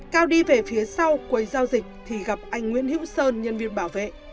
cao đi về phía sau quầy giao dịch thì gặp anh nguyễn hữu sơn nhân viên bảo vệ